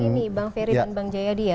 jadi kaitan ini bang ferry dan bang jayadi ya